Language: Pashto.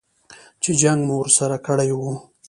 چې جنګ مو ورسره کړی و.